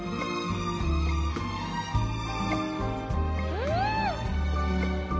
うん！